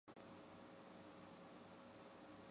假韧黄芩为唇形科黄芩属下的一个种。